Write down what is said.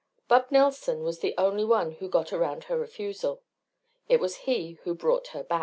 Bub Nelson was the only one who got around her refusal. It was he who brought her Bat.